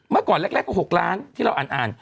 เมื่อก่อนแรกก็๖ล้านที่เราอ่าน